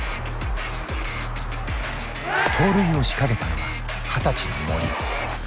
盗塁を仕掛けたのは２０歳の森。